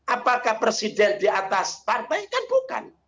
apakah presiden di atas partai kan bukan